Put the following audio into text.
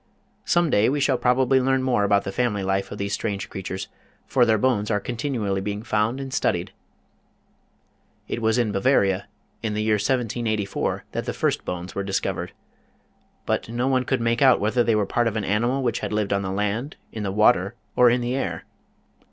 Some day we shall probably learn more about the family life of these strange creatures, for their bones are continually being found and studied. It was in Bavaria, in the year 1784, that the first bones were discovered. But no one could make out whether they were part of an animal which had lived on the land, in the water, or in the air.